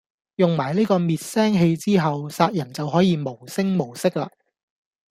用埋呢個滅聲器之後，殺人就可以無聲無息喇